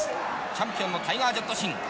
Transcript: チャンピオンのタイガー・ジェット・シン。